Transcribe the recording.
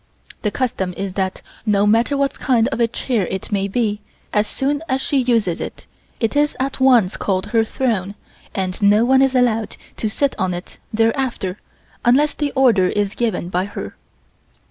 The custom is that no matter what kind of a chair it may be, as soon as she uses it, it is at once called her throne and no one is allowed to sit on it thereafter unless the order is given by her.